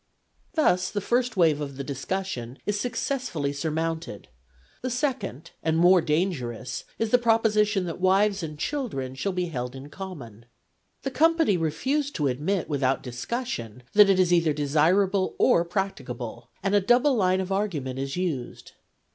Thus the first wave of the discussion is success fully surmounted : the second and more dangerous is the proposition that wives and children shall be held in common. The company refuse to admit without discussion that it is either desirable or practicable, and a double line of argument is used.